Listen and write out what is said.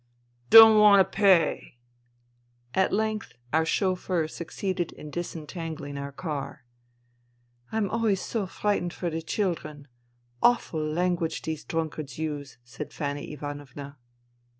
"Don't want to pay." At length our chauffeur succeeded in disentanghng our car. " I'm always so frightened for the children. Awful language these drunkards use," said Fanny Ivanovna.